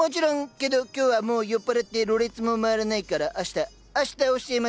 けど今日はもう酔っ払ってろれつも回らないから明日明日教えますよ！